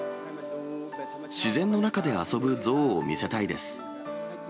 自然の中で遊ぶゾウを見せたいです。